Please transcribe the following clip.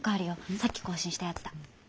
さっき更新したやつだ。